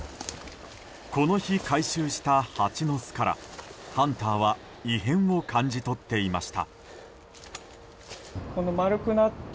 この日、回収したハチの巣からハンターは異変を感じ取っていました。